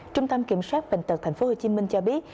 trung tâm kiểm soát bệnh tật thành phố hồ chí minh cho biết